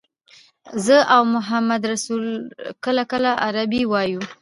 زه او محمدرسول کله کله عربي وایو.